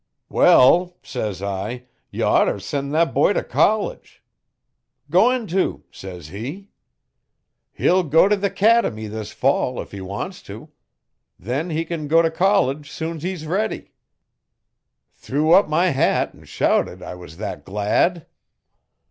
"Well," says I, "y' oughter sen' that boy t' college." "Goin' to," says he. "He'll go t' the 'Cademy this fall if he wants to. Then he can go t' college soon's he's ready." Threw up my hat an' shouted I was that glad.'